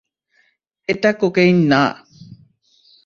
এটা কোকেইন না।